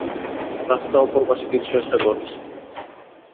রাস্তা অপর পাশে কিছু একটা ঘটছে।